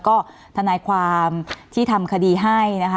ก็ทนายความที่ทำคดีให้นะคะ